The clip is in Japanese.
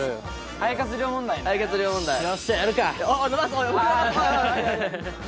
肺活量問題ね！